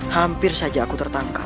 hampir saja aku tertangkap